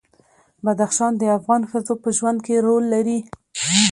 بدخشان د افغان ښځو په ژوند کې رول لري.